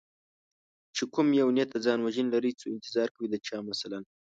چې کوم یو نیت د ځان وژنې لري څو انتظار کوي د چا مثلا